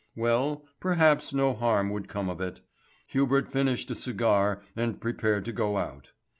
Well, perhaps no harm would come of it. Hubert finished a cigar and prepared to go out.